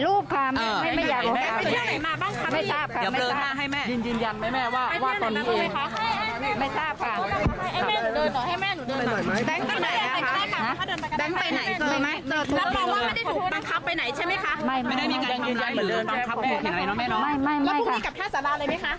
แล้วพบกันกับแคทสาราเลยไหมคะ